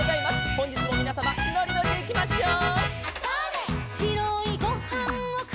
「ほんじつもみなさまのりのりでいきましょう」